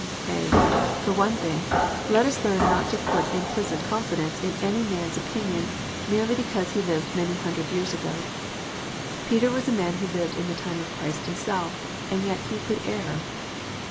(a) For one thing, let us learn not to put implicit confidence in any man s opinion, merely because he lived man]] hundred years ago. Peter was a man who lived in the time of Christ Himself, and yet he could err.